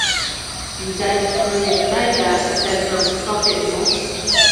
— Изай, шонымет сай, да иктаж-кунам шукталтеш мо?